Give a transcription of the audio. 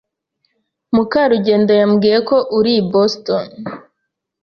Mukarugendo yambwiye ko uri i Boston.